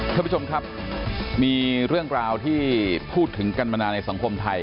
ท่านผู้ชมครับมีเรื่องราวที่พูดถึงกันมานานในสังคมไทย